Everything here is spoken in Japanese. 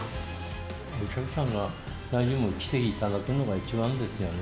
お客さんが何人も来ていただくのが一番ですよね。